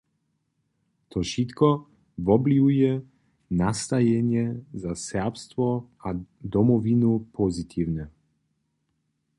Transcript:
To wšitko wobwliwuje nastajenje za Serbstwo a Domowinu pozitiwnje.